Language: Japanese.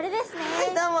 はいどうも！